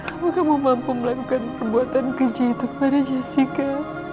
apa kamu mampu melakukan perbuatan keji itu kepada jessica